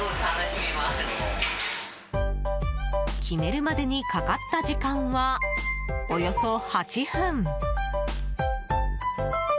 決めるまでにかかった時間はおよそ８分。